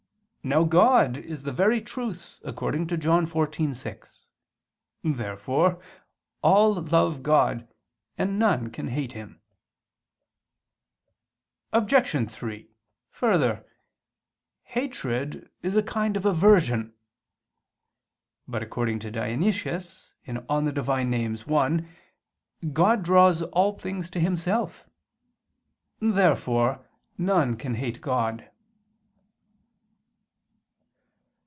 Now God is the very truth according to John 14:6. Therefore all love God, and none can hate Him. Obj. 3: Further, hatred is a kind of aversion. But according to Dionysius (Div. Nom. i) God draws all things to Himself. Therefore none can hate Him.